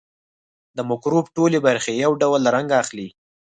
د مکروب ټولې برخې یو ډول رنګ اخلي.